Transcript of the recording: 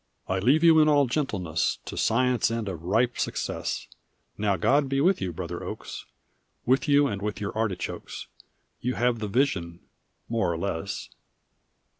"I leave you in all gentleness To science and a ripe success. Now God be with you, brother Oakes, With you and with your artichokes: You have the vision, more or less."